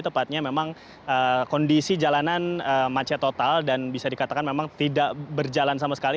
tepatnya memang kondisi jalanan macet total dan bisa dikatakan memang tidak berjalan sama sekali